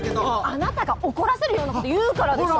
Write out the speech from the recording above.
あなたが怒らせるようなこと言うからでしょ。